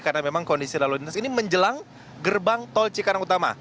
karena memang kondisi lalu lintas ini menjelang gerbang tol cikarang utama